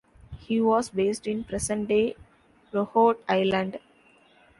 He was based in present-day Rhode Island.